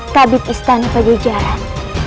kabit istana pada jalan